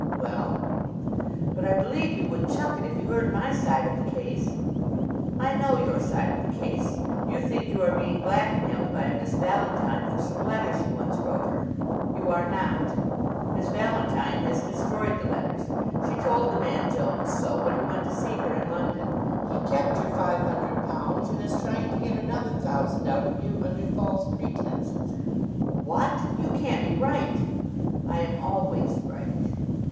"Well?" "But I believe you would chuck it if you heard my side of the case." "I know your side of the case. You think you are being blackmailed by a Miss Valentine for some letters you once wrote her. You are not. Miss Valentine has destroyed the letters. She told the man Jones so when he went to see her in London. He kept your five hundred pounds and is trying to get another thousand out of you under false pretenses." "What? You can't be right." "I am always right."